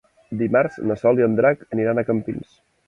Dimarts na Sol i en Drac aniran a Campins.